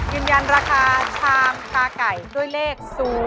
ยืนยันราคาชามตาไก่ด้วยเลข๐